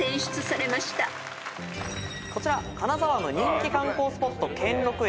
こちら金沢の人気観光スポット兼六園。